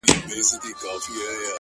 • په دوستي په یارانه به هلته اوسو ,